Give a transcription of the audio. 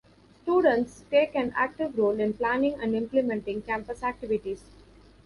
Students take an active role in planning and implementing campus activities.